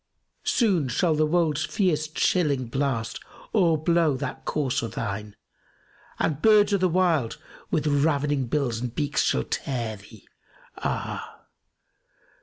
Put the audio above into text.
Soon shall the wold's fierce chilling blast o'erblow that corse o' thine; * And birds o' the wild with ravening bills and beaks shall tear thee, ah!